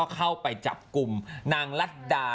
เข้าไปจับกลุ่มนางรัฐดา